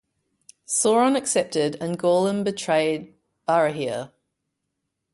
Sauron accepted, and Gorlim betrayed Barahir.